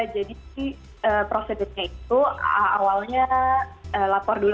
jadi prosedurnya itu awalnya lapor dulu